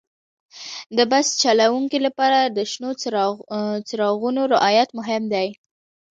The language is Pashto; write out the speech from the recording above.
د بس چلوونکي لپاره د شنو څراغونو رعایت مهم دی.